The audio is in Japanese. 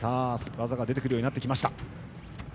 技が出てくるようになってきました。